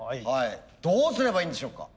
どうすればいいんでしょうか。